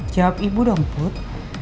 jawab ibu dong put